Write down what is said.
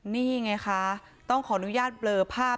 นี่ไงคะต้องขออนุญาตเบลอภาพ